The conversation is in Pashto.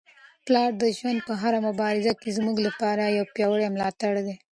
پلار د ژوند په هره مبارزه کي زموږ لپاره یو پیاوړی ملاتړی دی.